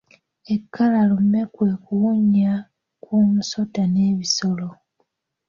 Ekkalalume kwe kuwunya kwomusota n'ebisolo.